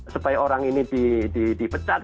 supaya orang ini di pecah